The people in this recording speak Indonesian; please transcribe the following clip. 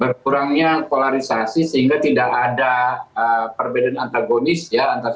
berkurangnya polarisasi sehingga tidak ada perbedaan antagonis ya